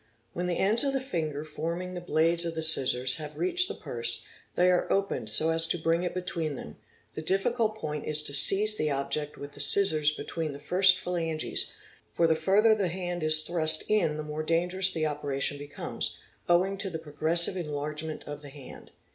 When the ends of the finger forming the blades of the scissors have reached the purse, they are opened so as to bring it between them ; the diffi cult point 1s to seize the object with the 'scissors between the first phalanges, for the further the hand is thurst in the more dangerous the operation becomes, owing to the progressive enlargement of the hand.